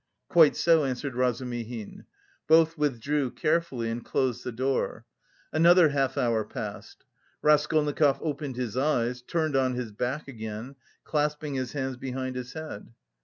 "Quite so," answered Razumihin. Both withdrew carefully and closed the door. Another half hour passed. Raskolnikov opened his eyes, turned on his back again, clasping his hands behind his head.